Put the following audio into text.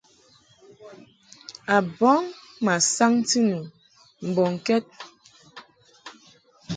A bɔŋ ma saŋti nu mbɔŋkɛd.